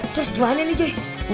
terus gimana nih jay